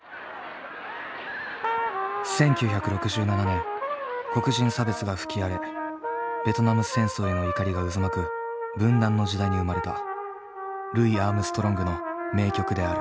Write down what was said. １９６７年黒人差別が吹き荒れベトナム戦争への怒りが渦巻く分断の時代に生まれたルイ・アームストロングの名曲である。